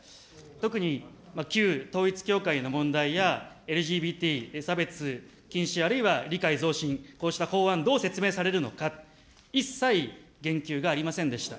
特に旧統一教会の問題や、ＬＧＢＴ差別禁止、あるいは理解増進、こうした法案、一切言及がありませんでした。